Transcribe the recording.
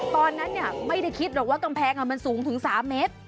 ตอนนั้นไม่ได้คิดหรอกว่ากำแพงมันสูงถึง๓เมตร